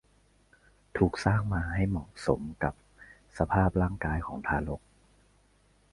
ถูกสร้างมาให้เหมาะสมกับสภาพร่างกายของทารก